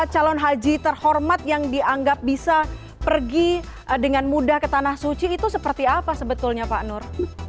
calon haji terhormat yang dianggap bisa pergi dengan mudah ke tanah suci itu seperti apa sebetulnya pak nur